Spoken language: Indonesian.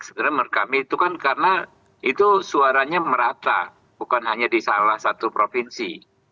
sebenarnya menurut kami itu kan karena itu suaranya merata bukan hanya di salah satu provinsi